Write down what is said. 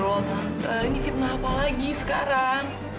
astaga tante ini fitnah apa lagi sekarang